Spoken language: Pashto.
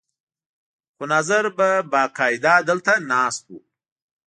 خو ناظر به باقاعده دلته ناست و.